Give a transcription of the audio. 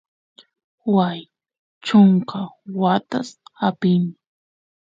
waay chunka watas apin